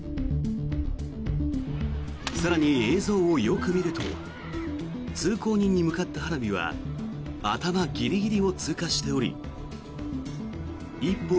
更に映像をよく見ると通行人に向かった花火は頭ギリギリを通過しており一歩